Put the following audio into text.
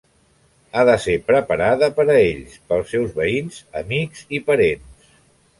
Ha de ser preparada per a ells pels seus veïns, amics i parents.